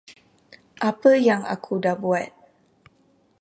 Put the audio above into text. Apa yang aku dah buat.